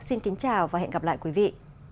xin kính chào và hẹn gặp lại quý vị